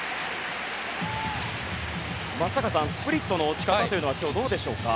松坂さん、スプリットの落ち方は今日、どうでしょうか。